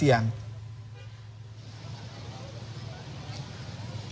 ya yuda dan megi